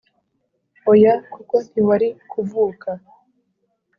oya kuko ntiwari kuvuka